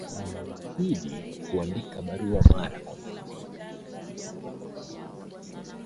Aliwaahidi kuwandikia barua mara kwa mara